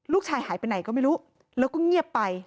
ลูกชายหายไปไหนก็ไม่รู้แล้วก็เงียบไป